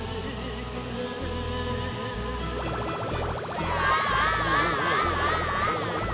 うわ！